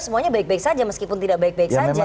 semuanya baik baik saja meskipun tidak baik baik saja